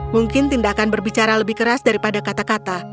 mungkin tindakan berbicara lebih keras daripada kata kata